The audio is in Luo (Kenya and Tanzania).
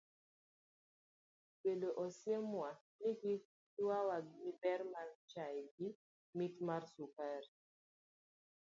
Bedo osiemo wa ni kik yuawa gi ber mar chai gi mit mar sukari.